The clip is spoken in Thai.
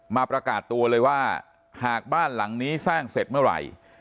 มาประกาศตัวเลยว่าหากบ้านหลังนี้สร้างเสร็จเมื่อไหร่